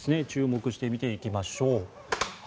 注目して見ていきましょう。